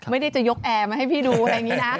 ไม่ได้จะยกแอร์มาให้พี่ดูแบบนี้นะ